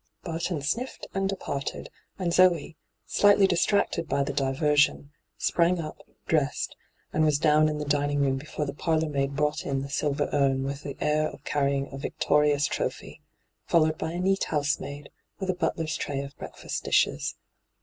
Barton sniffed and departed, and Zoe, slightly distracted by the diversion, sprang up, dressed, and was down in the dining room before the parlourmaid brought in the silver urn with the air of carrying a victorious trophy, followed by a neat housemaid with a butler's tray of breakfast dishes.